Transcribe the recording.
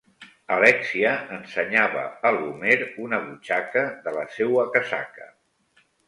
Alèxia ensenyava a l'Homer una butxaca de la seua casaca.